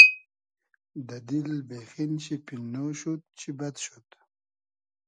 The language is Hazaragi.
دۂ دیل بېخین شی پیننۉ شود چی بئد شود